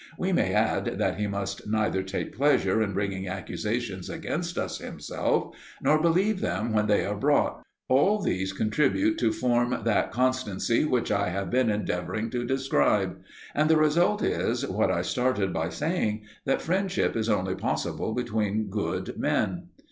We may add, that he must neither take pleasure in bringing accusations against us himself, nor believe them when they are brought. All these contribute to form that constancy which I have been endeavouring to describe. And the result is, what I started by saying, that friendship is only possible between good men.